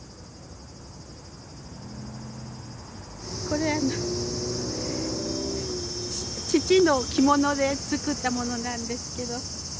これ父の着物で作ったものなんですけど。